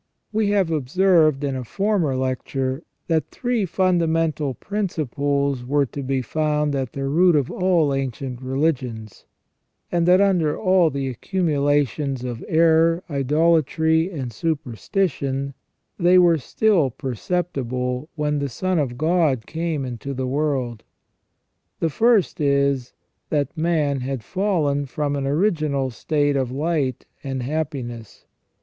We have observed in a former lecture that three fundamental principles were to be found at the root of all ancient religions, and that, under all the accumulations of error, idolatry, and superstition, they were still perceptible when the Son of God came into the world. The first is, that man had fallen from an original state of light and happiness.